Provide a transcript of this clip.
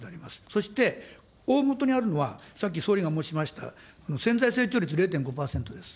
そして、おおもとにあるのは、さっき総理が申しました、潜在成長率０．５％です。